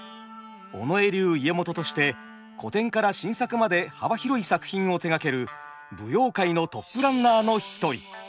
尾上流家元として古典から新作まで幅広い作品を手がける舞踊界のトップランナーの一人。